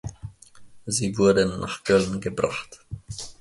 Sie wurden nach Köln gebracht.